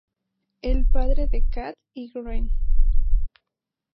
El padre de Cath y Wren.